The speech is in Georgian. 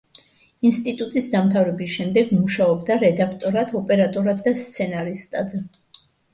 ინსტიტუტის დამთავრების შემდეგ მუშაობდა რედაქტორად, ოპერატორად და სცენარისტად.